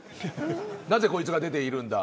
なぜ、こいつが出ているんだ。